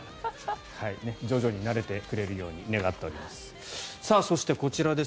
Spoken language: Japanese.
徐々に慣れてくれるように願っております。